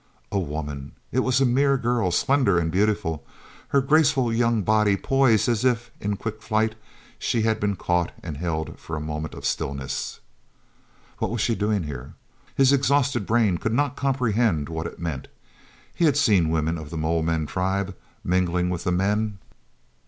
A woman? It was a mere girl, slender and beautiful, her graceful young body poised as if, in quick flight, she had been caught and held for a moment of stillness. What was she doing here? His exhausted brain could not comprehend what it meant. He had seen women of the Mole men tribe mingling with the men.